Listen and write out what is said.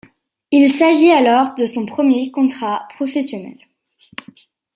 Il s'agit alors de son premier contrat professionnel.